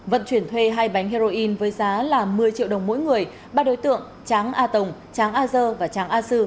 vận chuyển thuê hai bánh heroin với giá là một mươi triệu đồng mỗi người ba đối tượng tráng a tổng tráng a dơ và tráng a sư